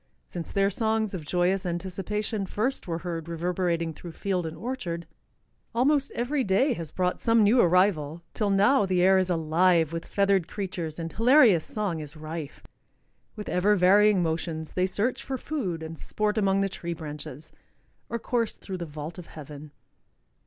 Since their songs of joyous anticipation first were heard reverberating through field and orchard, almost every day has brought some new arrival, till now the air is alive with feathered creatures and hilarious song is rife. With ever varying motions they search for food and sport among the tree branches, or course through the vault of heaven.